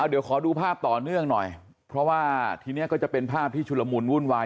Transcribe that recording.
เดี๋ยวขอดูภาพต่อเนื่องหน่อยเพราะว่าทีนี้ก็จะเป็นภาพที่ชุลมุนวุ่นวาย